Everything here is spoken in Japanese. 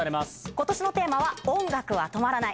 今年のテーマは「音楽は止まらない」。